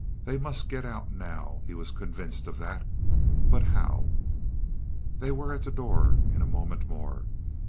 They must get out now, he was convinced of that. But how? They were at the door in a moment more.